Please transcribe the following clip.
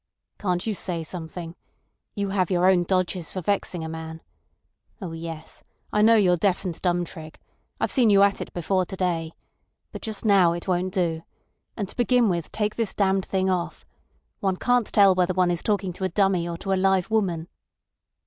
"Can't you say something? You have your own dodges for vexing a man. Oh yes! I know your deaf and dumb trick. I've seen you at it before to day. But just now it won't do. And to begin with, take this damned thing off. One can't tell whether one is talking to a dummy or to a live woman."